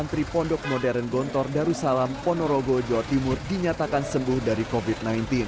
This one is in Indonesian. sementara itu empat puluh santri pondok modern gontor darussalam ponorogo jawa timur dinyatakan sembuh dari covid sembilan belas